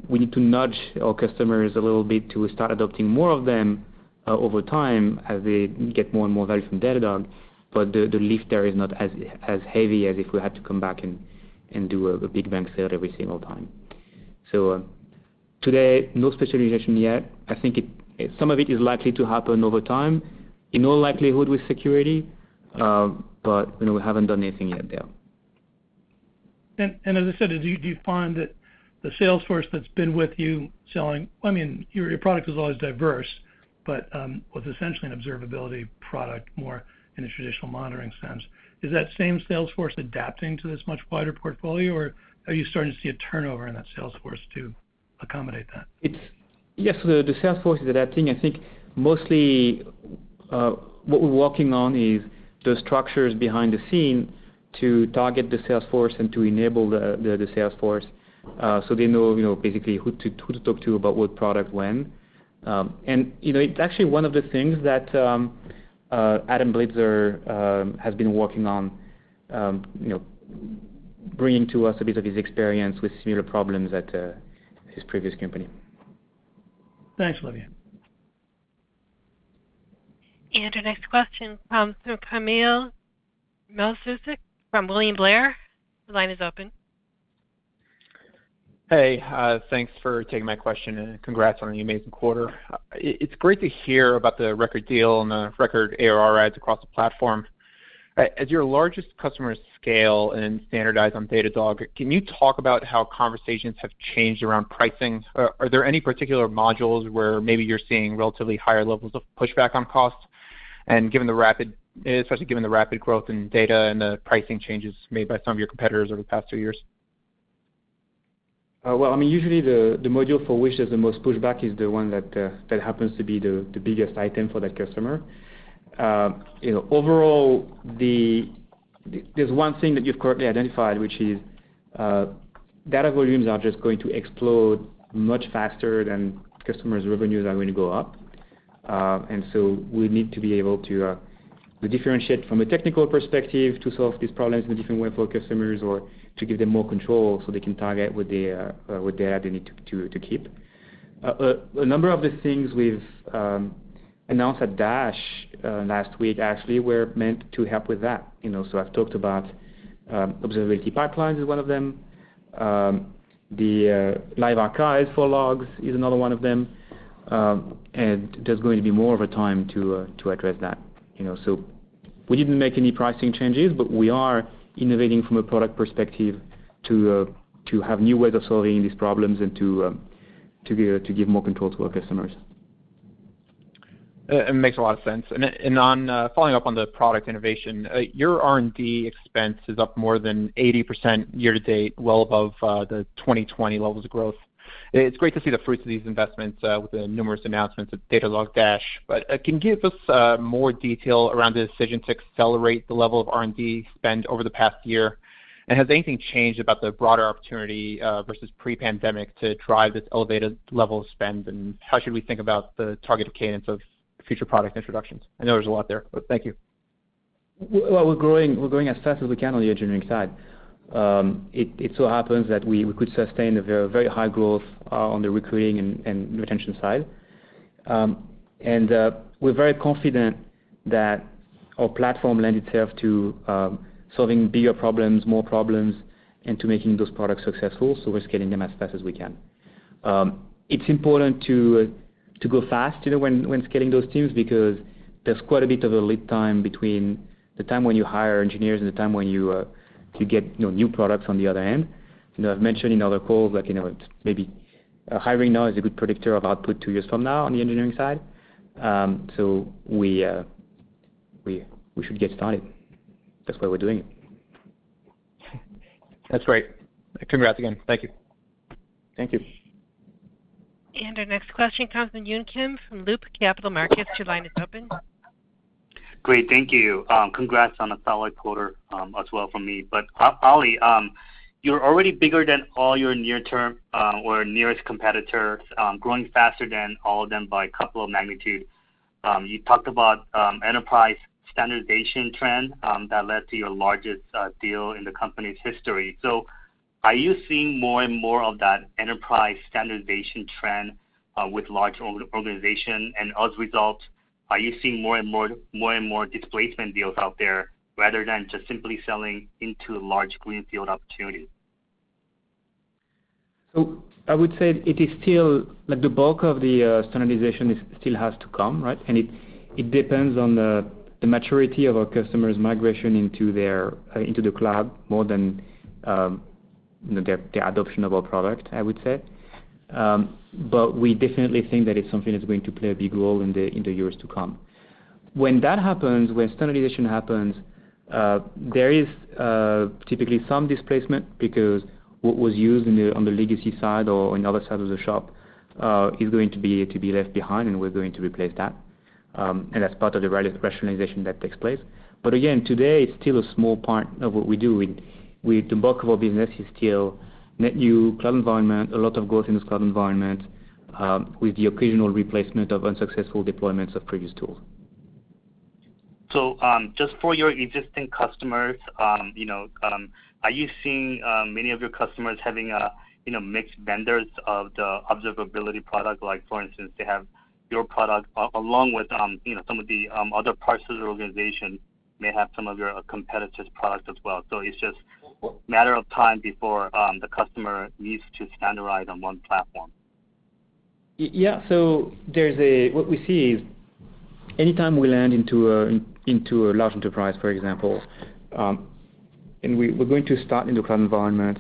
C: need to nudge our customers a little bit to start adopting more of them over time as they get more and more value from Datadog. The lift there is not as heavy as if we had to come back and do a big bang sale every single time. Today, no specialization yet. I think some of it is likely to happen over time, in all likelihood with security, but you know, we haven't done anything yet there.
M: As I said, do you find that the sales force that's been with you selling—I mean, your product is always diverse, but with essentially an observability product more in a traditional monitoring sense. Is that same sales force adapting to this much wider portfolio, or are you starting to see a turnover in that sales force to accommodate that?
C: Yes, the sales force is adapting. I think mostly what we're working on is the structures behind the scenes to target the sales force and to enable the sales force so they know, you know, basically who to talk to about what product when. You know, it's actually one of the things that Adam Blitzer has been working on, you know, bringing to us a bit of his experience with similar problems at his previous company.
M: Thanks, Olivier.
A: Our next question comes from Kamil Mielczarek from William Blair. Your line is open.
N: Thanks for taking my question, and congrats on your amazing quarter. It's great to hear about the record deals and the record ARR adds across the platform. As your largest customers scale and standardize on Datadog, can you talk about how conversations have changed around pricing? Are there any particular modules where maybe you're seeing relatively higher levels of pushback on costs? Especially given the rapid growth in data and the pricing changes made by some of your competitors over the past two years.
C: Well, I mean, usually the module for which there's the most pushback is the one that happens to be the biggest item for that customer. You know, there's one thing that you've correctly identified, which is data volumes are just going to explode much faster than customers' revenues are going to go up. We need to be able to differentiate from a technical perspective to solve these problems in a different way for customers or to give them more control so they can target what they have that they need to keep. A number of the things we've announced at DASH last week actually were meant to help with that, you know. I've talked about Observability Pipelines is one of them. The Online Archives for logs is another one of them. There's going to be more of a time to address that, you know. We didn't make any pricing changes, but we are innovating from a product perspective to have new ways of solving these problems and to give more control to our customers.
N: It makes a lot of sense. Following up on the product innovation, your R&D expense is up more than 80% year to date, well above the 2020 levels of growth. It's great to see the fruits of these investments with the numerous announcements of Datadog DASH. Can you give us more detail around the decision to accelerate the level of R&D spend over the past year? Has anything changed about the broader opportunity versus pre-pandemic to drive this elevated level of spend? How should we think about the target cadence of future product introductions? I know there's a lot there, but thank you.
C: Well, we're growing as fast as we can on the engineering side. It so happens that we could sustain a very high growth on the recruiting and retention side. We're very confident that our platform lends itself to solving bigger problems, more problems, and to making those products successful, so we're scaling them as fast as we can. It's important to go fast, you know, when scaling those teams, because there's quite a bit of a lead time between the time when you hire engineers and the time to get new products on the other end. You know, I've mentioned in other calls like, you know, maybe hiring now is a good predictor of output two years from now on the engineering side. We should get started. That's why we're doing it.
N: That's right. Congrats again. Thank you.
C: Thank you.
A: Our next question comes from Yun Kim from Loop Capital Markets. Your line is open.
O: Great. Thank you. Congrats on a solid quarter, as well from me. Oli, you're already bigger than all your near-term or nearest competitors, growing faster than all of them by a couple of magnitudes. You talked about enterprise standardization trend that led to your largest deal in the company's history. Are you seeing more and more of that enterprise standardization trend with large organization? As result, are you seeing more and more displacement deals out there rather than just simply selling into large greenfield opportunities?
C: I would say it is still like the bulk of the standardization still has to come, right? It depends on the maturity of our customers migration into their into the cloud more than the adoption of our product, I would say. But we definitely think that it's something that's going to play a big role in the years to come. When that happens, when standardization happens, there is typically some displacement because what was used in the on the legacy side or on the other side of the shop is going to be to be left behind, and we're going to replace that. And that's part of the rationalization that takes place. Again, today it's still a small part of what we do. The bulk of our business is still in net new cloud environments, with a lot of growth in this cloud environment, with the occasional replacement of unsuccessful deployments of previous tools.
O: Just for your existing customers, you know, are you seeing many of your customers having a, you know, mixed vendors of the observability product? Like for instance, they have your product along with, you know, some of the other parts of the organization may have some of your competitor's product as well. It's just matter of time before the customer needs to standardize on one platform.
C: What we see is anytime we land into a large enterprise, for example, we're going to start in the cloud environment.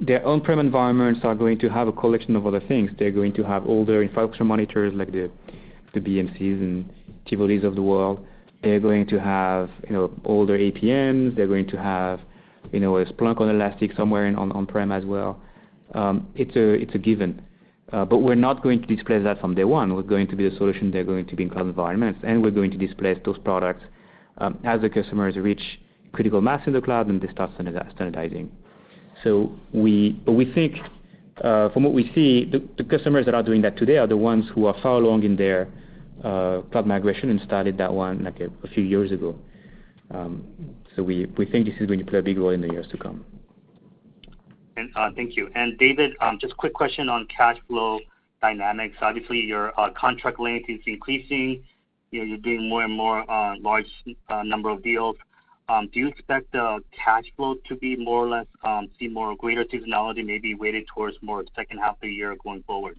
C: Their on-prem environments are going to have a collection of other things. They're going to have all their infrastructure monitors, like the BMC's and Tivoli's of the world. They're going to have, you know, all their APMs. They're going to have, you know, a Splunk or Elastic somewhere in on-prem as well. It's a given. We're not going to displace that from day one. We're going to be a solution. They're going to be in cloud environments, and we're going to displace those products as the customers reach critical mass in the cloud and they start standardizing. We think from what we see, the customers that are doing that today are the ones who are far along in their cloud migration and started that one, like a few years ago. We think this is going to play a big role in the years to come.
O: Thank you. David, just a quick question on cash flow dynamics. Obviously, your contract length is increasing. You know, you're doing more and more large number of deals. Do you expect the cash flow to be more or less see more greater seasonality maybe weighted towards more second half of the year going forward?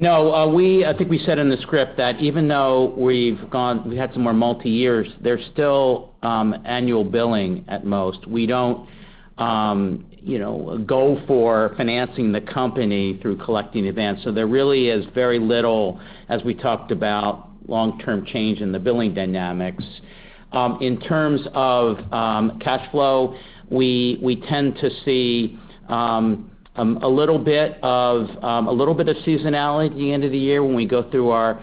D: No. I think we said in the script that even though we had some more multi years, there's still annual billing at most. We don't, you know, go for financing the company through collecting events. There really is very little, as we talked about, long-term change in the billing dynamics. In terms of cash flow, we tend to see a little bit of seasonality at the end of the year when we go through our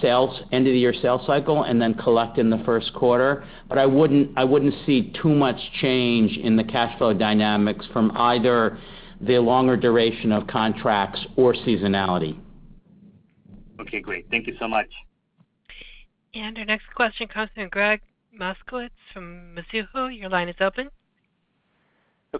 D: sales, end of the year sales cycle and then collect in the first quarter. I wouldn't see too much change in the cash flow dynamics from either the longer duration of contracts or seasonality.
O: Okay, great. Thank you so much.
A: Our next question comes from Gregg Moskowitz from Mizuho. Your line is open.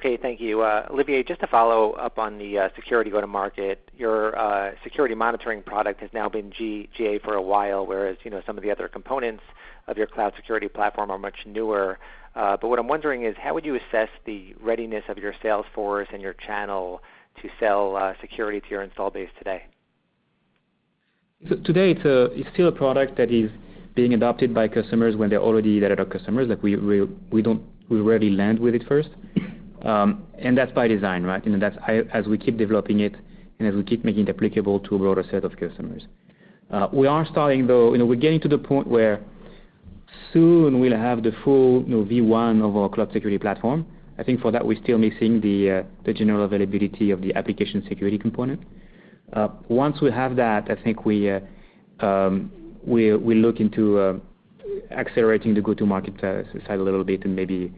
P: Thank you. Olivier, just to follow up on the security go-to-market. Your security monitoring product has now been GA for a while, whereas, you know, some of the other components of your Cloud Security Platform are much newer. But what I'm wondering is how would you assess the readiness of your sales force and your channel to sell security to your installed base today?
C: Today, it's still a product that is being adopted by customers when they're already Datadog customers that we rarely land with it first. That's by design, right? That's as we keep developing it and as we keep making it applicable to a broader set of customers. We are starting, though. You know, we're getting to the point where soon we'll have the full, you know, V1 of our Cloud Security Platform. I think for that, we're still missing the general availability of the Application Security component. Once we have that, I think we look into accelerating the go-to-market side a little bit and maybe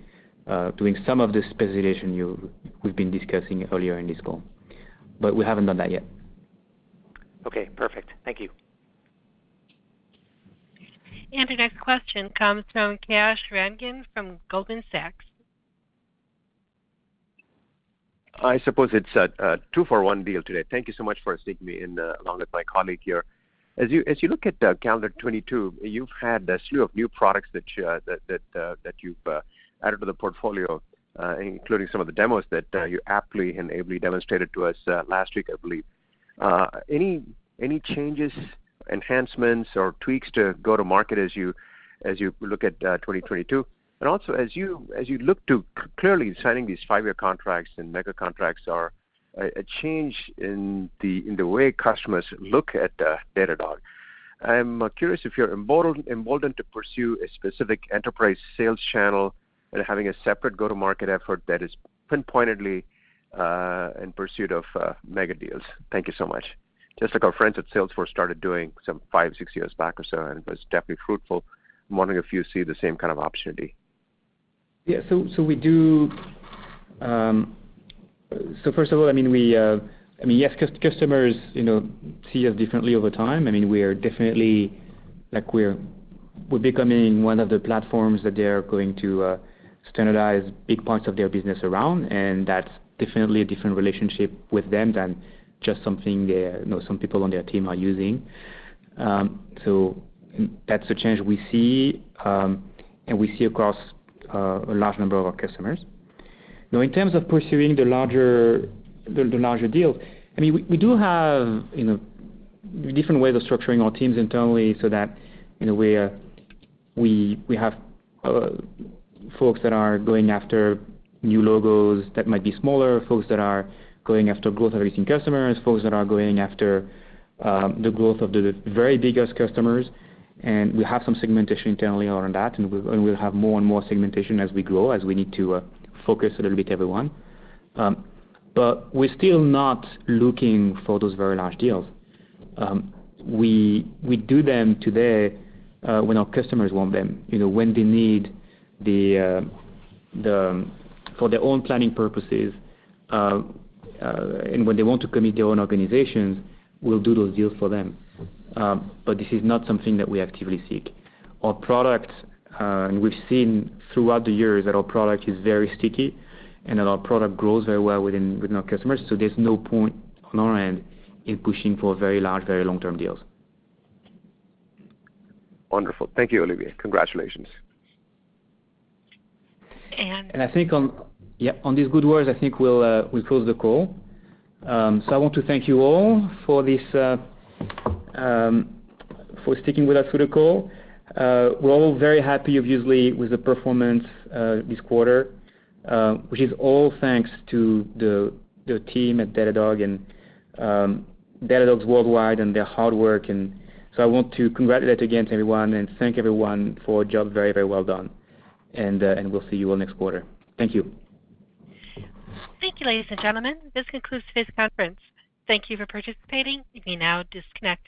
C: doing some of the specialization we've been discussing earlier in this call. We haven't done that yet.
P: Okay, perfect. Thank you.
A: The next question comes from Kash Rangan from Goldman Sachs.
Q: I suppose it's a two-for-one deal today. Thank you so much for sticking me in along with my colleague here. As you look at calendar 2022, you've had a slew of new products that you've added to the portfolio, including some of the demos that you aptly and ably demonstrated to us last week, I believe. Any changes, enhancements, or tweaks to go to market as you look at 2022? Also, as you look to clearly signing these five-year contracts and mega contracts are a change in the way customers look at Datadog. I'm curious if you're emboldened to pursue a specific enterprise sales channel and having a separate go-to-market effort that is pinpointedly in pursuit of mega deals. Thank you so much. Just like our friends at Salesforce started doing some five, six years back or so, and it was definitely fruitful. I'm wondering if you see the same kind of opportunity.
C: First of all, I mean, we, I mean, yes, customers, you know, see us differently over time. I mean, we are definitely like we're becoming one of the platforms that they are going to standardize big parts of their business around, and that's definitely a different relationship with them than just something their, you know, some people on their team are using. That's a change we see, and we see across a large number of our customers. Now, in terms of pursuing the larger deal, I mean, we do have, you know, different ways of structuring our teams internally so that, you know, we have folks that are going after new logos that might be smaller, folks that are going after growth of existing customers, folks that are going after the growth of the very biggest customers. We have some segmentation internally around that, and we'll have more and more segmentation as we grow, as we need to focus a little bit everyone. We're still not looking for those very large deals. We do them today when our customers want them, you know, when they need the, for their own planning purposes, and when they want to commit their own organizations, we'll do those deals for them. This is not something that we actively seek. Our product, and we've seen throughout the years that our product is very sticky and that our product grows very well within our customers, so there's no point on our end in pushing for very large, very long-term deals.
Q: Wonderful. Thank you, Olivier. Congratulations.
A: And-
C: I think on these good words, I think we'll close the call. I want to thank you all for sticking with us through the call. We're all very happy, obviously, with the performance this quarter, which is all thanks to the team at Datadog and Datadog's worldwide and their hard work. I want to congratulate again everyone and thank everyone for a job very, very well done. We'll see you all next quarter. Thank you.
A: Thank you, ladies and gentlemen. This concludes today's conference. Thank you for participating. You may now disconnect.